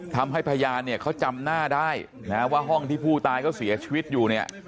พยานเนี่ยเขาจำหน้าได้นะว่าห้องที่ผู้ตายเขาเสียชีวิตอยู่เนี่ย